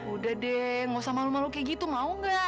udah deh gak usah malu malu kayak gitu mau gak